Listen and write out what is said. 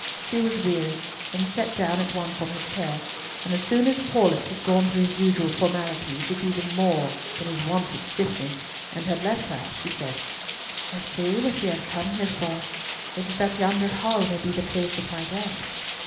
She was weary, and sat down at once on her chair, and as soon as Paulett had gone through his usual formalities with even more than his wonted stiffness, and had left her, she said, "I see what we are come here for. It is that yonder hall may be the place of my death."